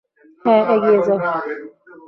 হ্যা, এগিয়ে যাও!